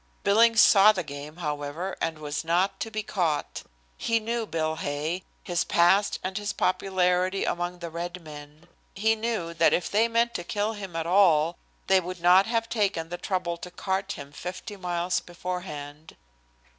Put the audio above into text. Billings saw the game, however, and was not to be caught. He knew Bill Hay, his past and his popularity among the red men. He knew that if they meant to kill him at all they would not have taken the trouble to cart him fifty miles beforehand.